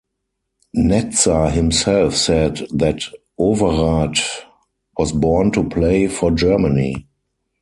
Netzer himself said that Overath "was born to play for Germany".